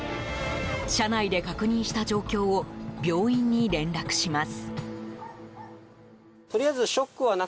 車内で確認した状況を病院に連絡します。